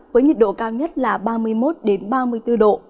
với nhiệt độ cao nhất là ba mươi một ba mươi bốn độ